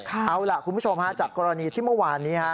เอาล่ะคุณผู้ชมฮะจากกรณีที่เมื่อวานนี้